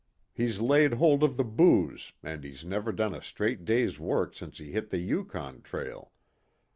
He's laid hold of the booze and he's never done a straight day's work since he hit the Yukon trail.